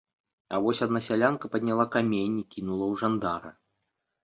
А вось адна сялянка падняла камень і кінула ў жандара.